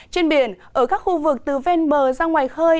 trên biển ở các khu vực từ ven bờ ra ngoài khơi